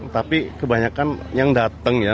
tapi kebanyakan yang datang ya